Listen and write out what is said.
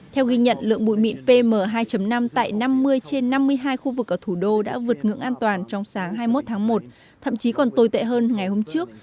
theo ghi nhận lượng bụi mịn pm hai năm tại năm mươi trên năm mươi hai khu vực ở thủ đô đã vượt ngưỡng an toàn trong sáng hai mươi một tháng một thậm chí còn tồi tệ hơn ngày hôm trước